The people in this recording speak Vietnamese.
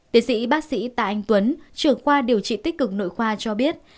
tiến sĩ bác sĩ tạ anh tuấn trưởng khoa điều trị tích cực nội khoa cho biết